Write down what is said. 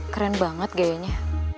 keren banget kayaknya